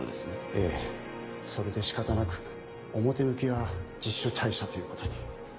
ええそれで仕方なく表向きは自主退社ということに。